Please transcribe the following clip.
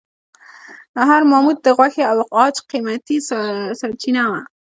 هر ماموت د غوښې او عاج قیمتي سرچینه وه.